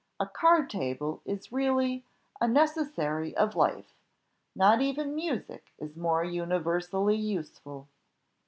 A card table is really a necessary of life not even music is more universally useful."